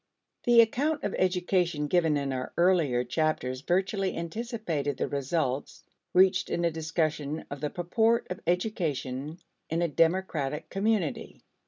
The account of education given in our earlier chapters virtually anticipated the results reached in a discussion of the purport of education in a democratic community.